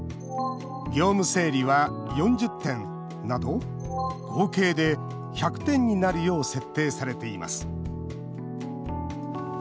業務整理は４０点など合計で１００点になるよう設定されています。